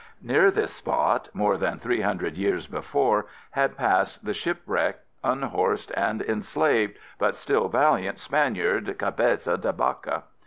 Near this spot, more than three hundred years before, had passed the shipwrecked, unhorsed and enslaved, but still valiant Spaniard, Cabeza de Vaca.